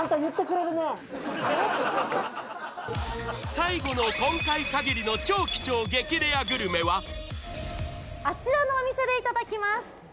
最後の今回限りの超貴重激レアグルメはあちらのお店でいただきます。